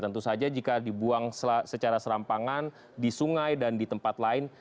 tentu saja jika dibuang secara serampangan di sungai dan di tempat lain